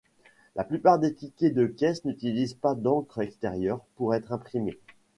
La plupart des tickets de caisse n'utilisent pas d'encre extérieure pour être imprimés.